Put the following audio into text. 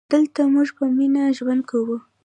دلته مونږ په مینه ژوند کوو